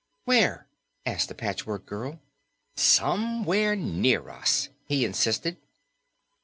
"Where?" asked the Patchwork Girl. "Somewhere near us," he insisted.